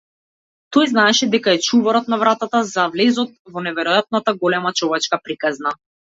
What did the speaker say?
Тој знаеше дека е чуварот на вратата за влез во неверојатната голема човечка приказна.